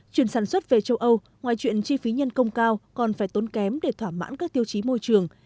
chuyển sản xuất về châu âu ngoài chuyện chi phí nhân công cao còn phải tốn kém để thỏa mãn các tiêu chí môi trường